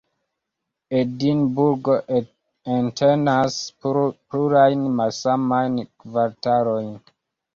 Edinburgo entenas plurajn, malsamajn kvartalojn.